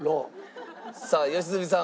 さあ良純さん。